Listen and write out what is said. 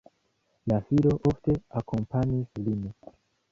La filo ofte akompanis lin.